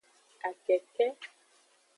Akeke.